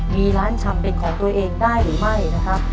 มีร้านชำเป็นของตัวเองได้หรือไม่นะครับ